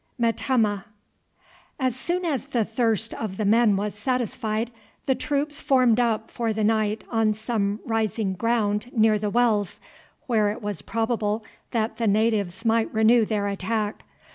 METEMMEH. As soon as the thirst of the men was satisfied the troops formed up for the night on some rising ground near the wells, where it was probable that the natives might renew their attack.